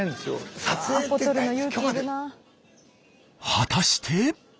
果たして。